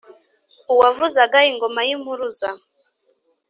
uwavuzaga ingoma y'impuruza